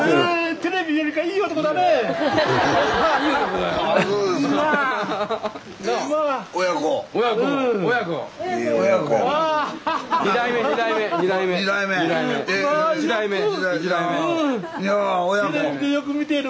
テレビでよく見てる。